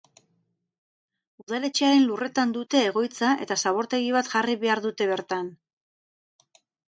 Udaletxearen lurretan dute egoitza eta zabortegi bat jarri behar dute bertan.